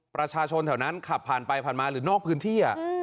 ประชาชนแถวนั้นขับผ่านไปผ่านมาหรือนอกพื้นที่